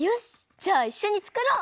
じゃあいっしょにつくろう！